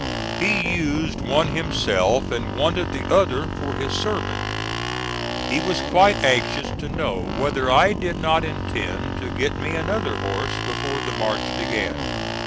He used one himself and wanted the other for his servant. He was quite anxious to know whether I did not intend to get me another horse before the march began.